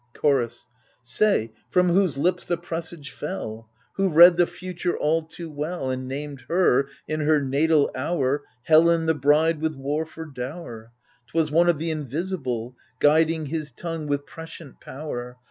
Chorus Say, from whose lips the presage fell ? Who read the future all too well, And named her, in her natal hour, Helen, the bride with war for dower ? 'Twas one of the Invisible, Guiding his tongue with prescient power.